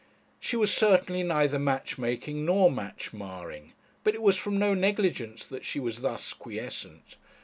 She was certainly neither match making nor match marring; but it was from no negligence that she was thus quiescent.